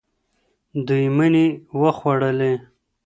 دوی مڼې وخوړلې.